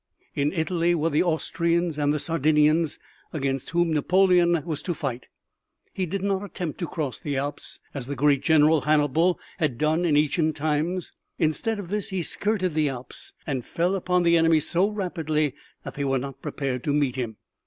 In Italy were the Austrians and the Sardinians against whom Napoleon was to fight. He did not attempt to cross the Alps, as the great general Hannibal had done in ancient times; instead of this he skirted the Alps and fell upon the enemy so rapidly that they were not prepared to meet him.